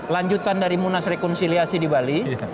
lanjutan dari munas rekonsiliasi di bali